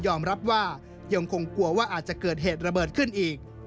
รับว่ายังคงกลัวว่าอาจจะเกิดเหตุระเบิดขึ้นอีก